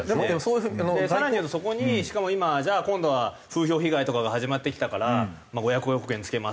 更に言うとそこにしかも今じゃあ今度は風評被害とかが始まってきたから５００億円付けます。